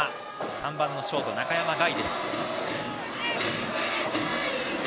３番のショート、中山凱。